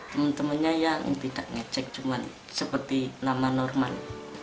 teman temannya yang tidak ngecek cuma seperti nama normal